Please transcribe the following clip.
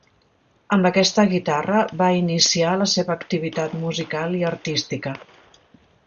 Amb aquesta guitarra va iniciar la seva activitat musical i artística.